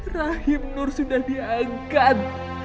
rahim nur sudah diangkat